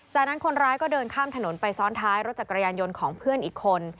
จากนั้นคนร้ายก็เดินข้ามถนนไปซ้อนท้ายรถจักรยานยนต์ของเพื่อนอีกคน